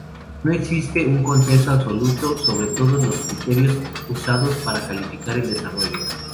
No existe un consenso absoluto sobre todos los criterios usados para calificar el desarrollo.